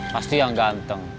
pasti yang ganteng